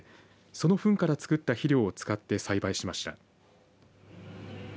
そのふんから作った肥料を使って栽培しました。